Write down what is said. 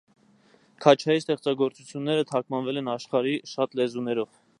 Քաչայի ստեղծագործությունները թարգմանվել են աշխարհի շատ լեզուներով։